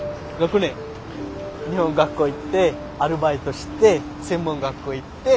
日本語学校行ってアルバイトして専門学校行って。